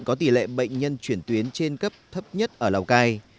có tỷ lệ bệnh nhân chuyển tuyến trên cấp thấp nhất ở lào cai